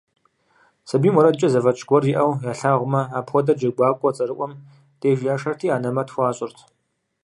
Сабийм уэрэдкӀэ зэфӀэкӀ гуэр иӀэу ялъагъумэ, апхуэдэр джэгуакӀуэ цӀэрыӀуэм деж яшэрти анэмэт хуащӀырт.